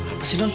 apa sih nol